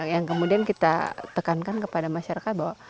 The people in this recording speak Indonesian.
yang kemudian kita tekankan kepada masyarakat bahwa